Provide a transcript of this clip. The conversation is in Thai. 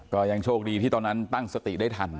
ก็ยังโชคดีที่ตอนนั้นตั้งสติได้ทัน